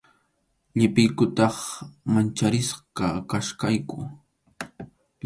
Llipiykutaq mancharisqa kachkayku.